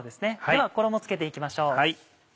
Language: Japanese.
では衣を付けて行きましょう。